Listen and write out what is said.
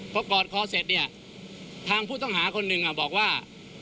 พอกอดคอเสร็จเนี่ยทางผู้ต้องหาคนหนึ่งบอกว่า